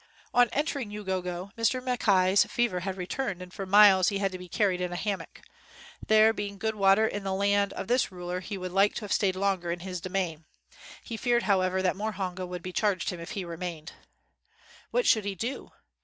On entering TTgogo, Mr. Mackay's fever had returned and for miles he had to be carried in a hammock. There being good water in the land of this ruler he would like to have stayed longer in his domain. He feared however, that more honga would be charged him if he remained. What should he do?